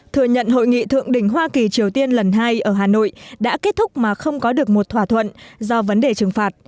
thừa nhận hội nghị thượng đỉnh hoa kỳ triều tiên lần hai ở hà nội đã kết thúc mà không có được một thỏa thuận do vấn đề trừng phạt